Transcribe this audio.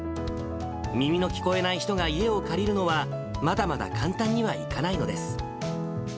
耳の聞こえない人が家を借りるのは、まだまだ簡単にはいかないのです。